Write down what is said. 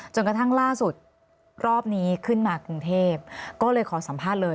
กระทั่งล่าสุดรอบนี้ขึ้นมากรุงเทพก็เลยขอสัมภาษณ์เลย